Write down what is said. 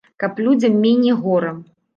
Каб людзям меней гора!